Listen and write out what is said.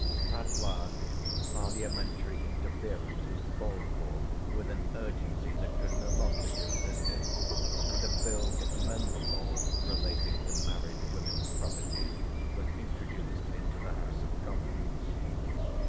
At last, parliamentary interference was called for with an urgency that could no longer be resisted, and a Bill to amend the laws relating to married women's property was introduced into the House of Commons.